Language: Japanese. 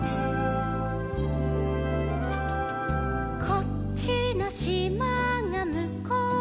「こっちのしまがむこうのしまへ」